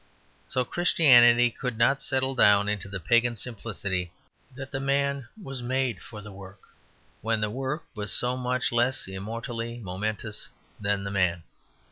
So Christianity could not settle down into the pagan simplicity that the man was made for the work, when the work was so much less immortally momentous than the man.